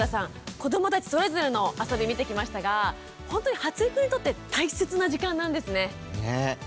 子どもたちそれぞれのあそび見てきましたがほんとに発育にとって大切な時間なんですね。ね！